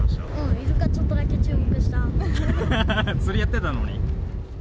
イルカ、ちょっとだけ注目し釣りやってたのに？